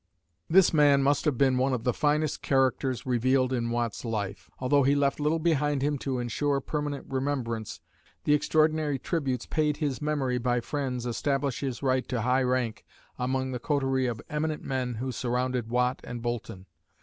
This man must have been one of the finest characters revealed in Watt's life. Altho he left little behind him to ensure permanent remembrance, the extraordinary tributes paid his memory by friends establish his right to high rank among the coterie of eminent men who surrounded Watt and Boulton.